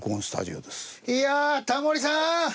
いやあタモリさん！